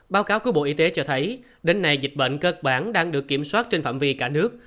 báo cáo của bộ y tế cho thấy đến nay dịch bệnh cơ bản đang được kiểm soát trên phạm vi cả nước